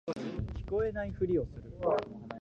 聞こえないふりをする